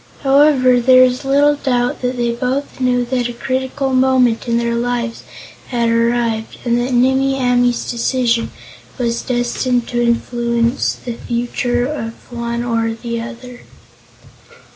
However, there is little doubt that they both knew that a critical moment in their lives had arrived, and that Nimmie Amee's decision was destined to influence the future of one or the other.